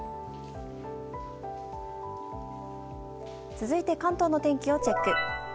続いて関東の天気をチェック。